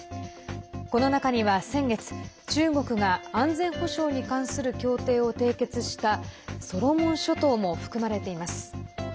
この中には先月、中国が安全保障に関する協定を締結したソロモン諸島も含まれています。